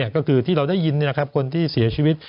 ก็คือที่เราได้ยินคนที่เสียชีวิต